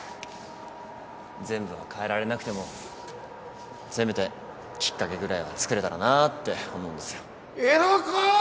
全部は変えられなくてもせめてきっかけぐらいはつくれたらなって思うんですよ。